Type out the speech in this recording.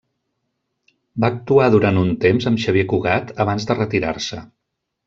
Va actuar durant un temps amb Xavier Cugat abans de retirar-se.